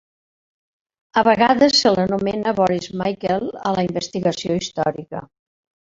A vegades se l'anomena Boris-Michael a la investigació històrica.